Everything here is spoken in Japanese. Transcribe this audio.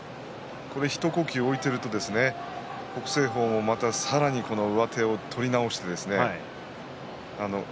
一呼吸置いてしまうと北青鵬はさらに上手を取り直して。